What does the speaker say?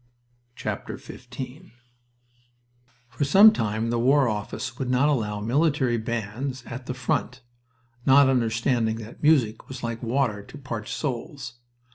XV For some time the War Office would not allow military bands at the front, not understanding that music was like water to parched souls.